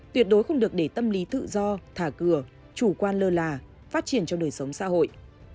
tuyệt đối không được để tâm lý tự do thả cửa chủ quan lơ là phát triển trong đời sống xã hội